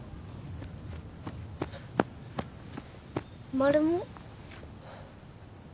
マルモ？